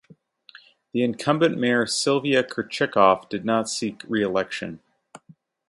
Incumbent mayor Sylvia Kerckhoff did not seek reelection.